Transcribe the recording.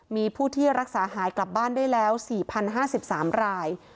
มีผู้ที่รักษาหายกลับบ้านได้แล้ว๔๐๕๓ราย